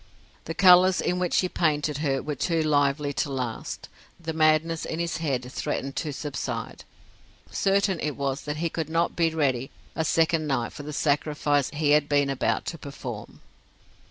The colours in which he painted her were too lively to last; the madness in his head threatened to subside. Certain it was that he could not be ready a second night for the sacrifice he had been about to perform.